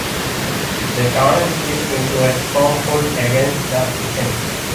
They turned it into a stronghold against the Piceni.